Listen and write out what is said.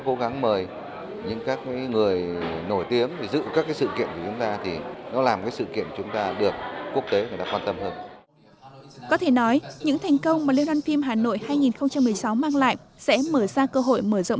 từ những cái bước đầu tiên rất là có nhiều hạt sản